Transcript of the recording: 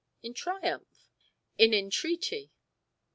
in triumph? in entreaty?